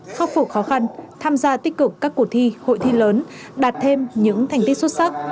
khắc phục khó khăn tham gia tích cực các cuộc thi hội thi lớn đạt thêm những thành tích xuất sắc